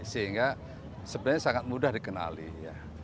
sehingga sebenarnya sangat mudah dikenali ya